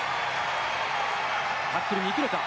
タックルにいくのか？